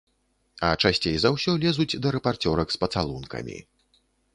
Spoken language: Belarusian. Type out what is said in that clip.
А часцей за ўсё лезуць да рэпарцёрак з пацалункамі.